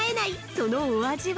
そのお味は？